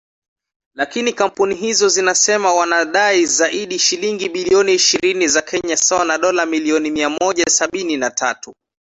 Lakini kampuni hizo zinasema wanadai zaidi ya shilingi bilioni ishirini za Kenya sawa na dola milioni mia moja sabini na tatu